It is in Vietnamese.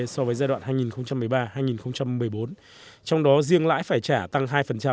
so với giai đoạn hai nghìn một mươi ba hai nghìn một mươi bốn trong đó riêng lãi phải trả tăng hai